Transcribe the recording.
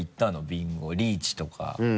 ビンゴリーチとか。